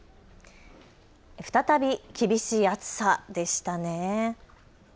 再び厳しい暑さでしたね。